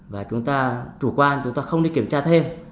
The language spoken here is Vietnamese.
và chúng ta chủ quan chúng ta không đi kiểm tra thêm